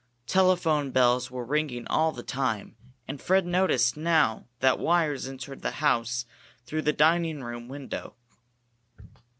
Telephone bells were ringing all the time, and Fred noticed now that wires entered the house through the dining room window.